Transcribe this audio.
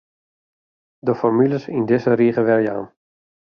De formules yn dizze rige werjaan.